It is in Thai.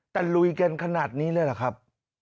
แต่ลุยกันขนาดนี้เลยเหรอครับ